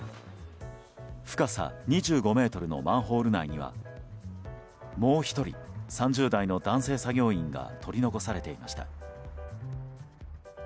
深さ２５ｍのマンホール内にはもう１人、３０代の男性作業員が取り残されていました。